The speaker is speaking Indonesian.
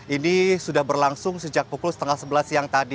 ini sudah berlangsung sejak pukul setengah sebelas siang tadi